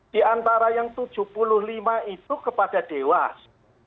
di antara yang tujuh puluh lima itu kepada dewas